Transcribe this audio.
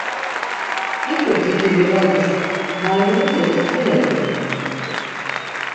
Hiǩu diki livadis naylonite ist̆vinert̆ui?